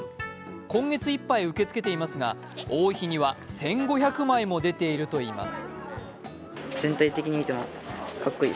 今月いっぱい受け付けていますが多い日には１５００枚も出ているといいます。